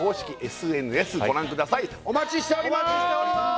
お待ちしておりまーす！